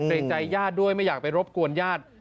เกรงใจญาติด้วยไม่อยากไปรบกวนญาติ